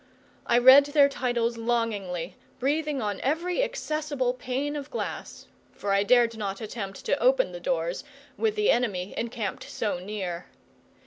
I read their titles longingly, breathing on every accessible pane of glass, for I dared not attempt to open the doors, with the enemy encamped so near.